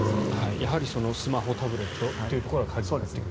やはりスマホ、タブレットというところが鍵になってくると。